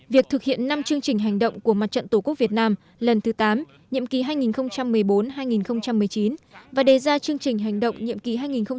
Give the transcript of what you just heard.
việc thực hiện năm chương trình hành động của mặt trận tổ quốc việt nam lần thứ tám nhiệm kỳ hai nghìn một mươi bốn hai nghìn một mươi chín và đề ra chương trình hành động nhiệm kỳ hai nghìn một mươi chín hai nghìn hai mươi bốn